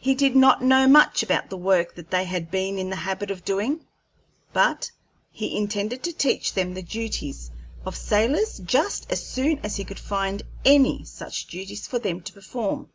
He did not know much about the work that they had been in the habit of doing, but he intended to teach them the duties of sailors just as soon as he could find any such duties for them to perform.